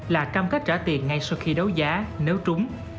là cam kết trả tiền ngay sau khi đấu giá nếu trúng